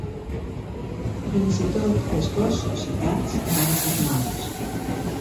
Fins i tot els gossos i gats van ser morts.